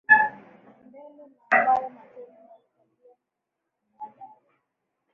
Endele na hayo matendo na utalia baadaye